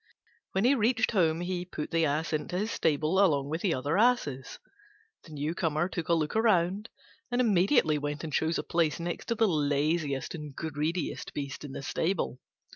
When he reached home, he put him into his stable along with the other asses. The newcomer took a look round, and immediately went and chose a place next to the laziest and greediest beast in the stable.